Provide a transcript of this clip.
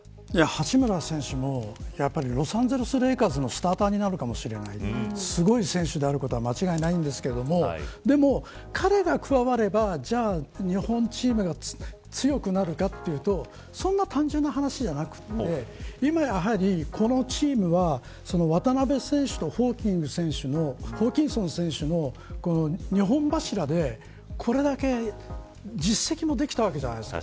八村選手もロサンゼルスレイカーズのスターターになるかもしれないんですごい選手であることは間違いないんですけどでも、彼が加わればじゃあ日本チームが強くなるかというとそんな単純な話ではなくて今やはりこのチームは渡邊選手とホーキンソン選手の二本柱でこれだけ実績もできたわけじゃないですか。